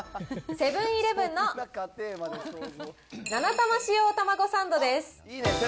セブンーイレブンのななたま使用たまごサンドです。